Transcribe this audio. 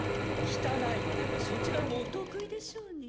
汚いまねはそちらもお得意でしょうに。